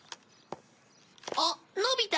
あっのび太。